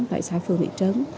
tại xã phường thị trấn